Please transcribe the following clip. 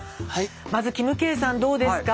まずキムケイさんどうですか。